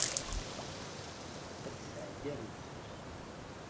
Ad tɛeddi ar wexxam.